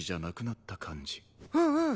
うんうん！